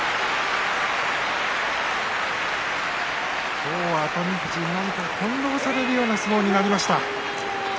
今日は熱海富士、何か翻弄されるような相撲になりました。